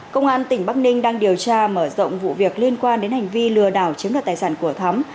công an tỉnh bắc ninh đang điều tra mở rộng vụ việc liên quan đến hành vi lừa đảo chiếm đoạt tài sản của thắm